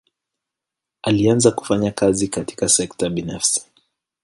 Alianza kufanya kazi katika sekta binafsi.